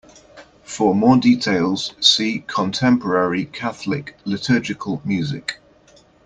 For more details, see Contemporary Catholic liturgical music.